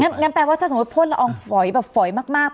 งั้นแปลว่าถ้าสมมุติพ่นละอองฝอยแบบฝอยมาก